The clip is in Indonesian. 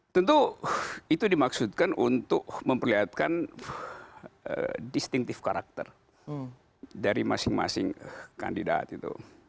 tentu itu dimaksudkan untuk memperlihatkan distinctive karakter dari masing masing kandidat itu